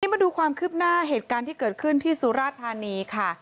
มาดูความคืบหน้าเหตุการณ์ที่เกิดขึ้นที่สุราธานีค่ะ